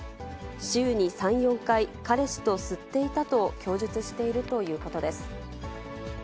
週に３、４回、彼氏と吸っていたと供述しているということです。